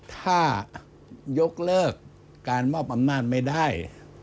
ถ้ายกเลิกการมอบอำนาจไม่ได้